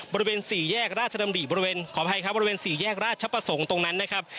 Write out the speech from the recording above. บริเวณ๔แยกราชประสงค์ตรงนั้นนะครับ